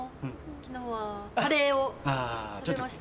昨日はカレーを食べました。